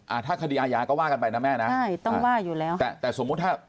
อ่าถ้าคดีอาญาก็ว่ากันไปนะแม่นะใช่ต้องว่าอยู่แล้วแต่แต่สมมุติถ้า